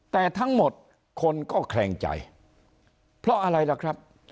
แต่ทั้งหมดคนก็แคลงใจเพราะอะไรล่ะครับ